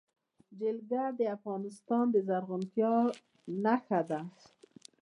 جلګه د افغانستان د زرغونتیا نښه ده.